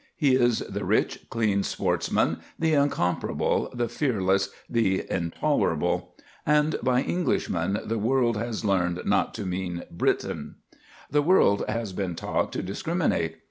He is the rich, clean sportsman, the incomparable, the fearless, the intolerable. And by "Englishman" the world has learned not to mean "Briton." The world has been taught to discriminate.